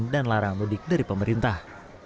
dan larang mudik dari pemerintah